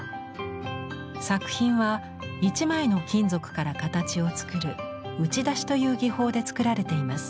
作品は一枚の金属から形を作る「打ち出し」という技法で作られています。